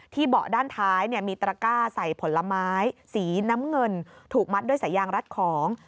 เบาะด้านท้ายมีตระก้าใส่ผลไม้สีน้ำเงินถูกมัดด้วยสายยางรัดของ